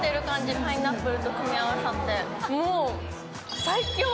パイナップルと組み合わさって。